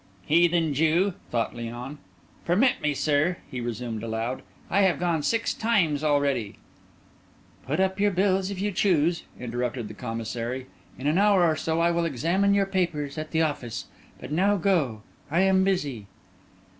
"Heathen Jew!" thought Léon. "Permit me, sir," he resumed aloud. "I have gone six times already—" "Put up your bills if you choose," interrupted the Commissary. "In an hour or so I will examine your papers at the office. But now go; I am busy."